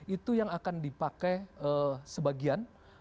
itu yang akan dipakai sebagian